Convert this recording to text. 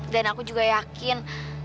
dan aku juga yakin